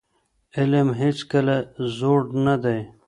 علم هيڅکله زوړ نه دی.